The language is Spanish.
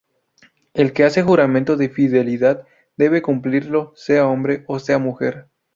El que hace juramento de fidelidad debe cumplirlo, sea hombre o sea mujer.